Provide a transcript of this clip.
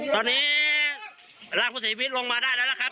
ตอนนี้ร่างภูติภิษลงมาได้แล้วนะครับ